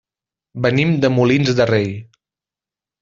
Venim de Molins de Rei.